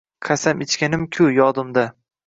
Qasam ichganim-ku yodimda